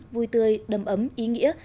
vui tươi đầm ấm ý nghĩa